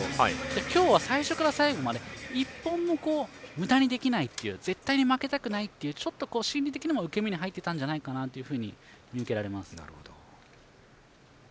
今日は最初から最後まで１本もむだにできないっていう絶対に負けたくないという心理的な受け身に入ってたんじゃないかっていうのが見受けられます。